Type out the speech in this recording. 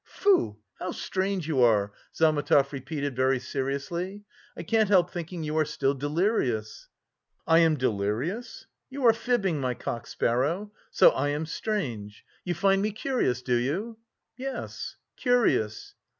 "Foo! how strange you are!" Zametov repeated very seriously. "I can't help thinking you are still delirious." "I am delirious? You are fibbing, my cock sparrow! So I am strange? You find me curious, do you?" "Yes, curious."